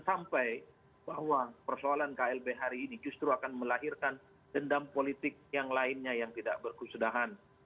sampai bahwa persoalan klb hari ini justru akan melahirkan dendam politik yang lainnya yang tidak berkesudahan